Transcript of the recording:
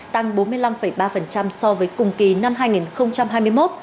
tăng bốn mươi năm ba so với cùng kỳ năm hai nghìn hai mươi một